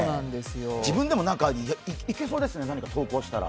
自分でも何かいけそうですね、投稿したら。